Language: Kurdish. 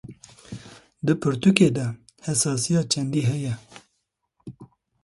Di pirtûkê de hesasiya çandî heye?